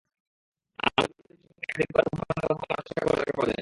আমিরুল ইসলামের সঙ্গে একাধিকবার মুঠোফোনে কথা বলার চেষ্টা করেও তাঁকে পাওয়া যায়নি।